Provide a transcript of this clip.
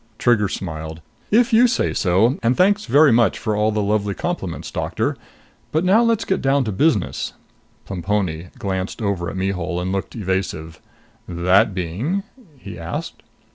Trigger smiled. "If you say so. And thanks very much for all the lovely compliments, Doctor. But now let's get down to business." Plemponi glanced over at Mihul and looked evasive. "That being?" he asked.